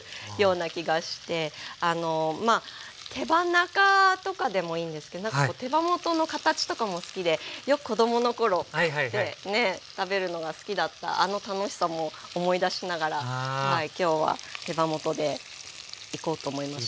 まあ手羽中とかでもいいんですけどなんか手羽元の形とかも好きでよく子供の頃ってねえ食べるのが好きだったあの楽しさも思い出しながら今日は手羽元でいこうと思いました。